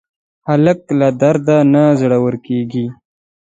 هلک له درده نه زړور کېږي.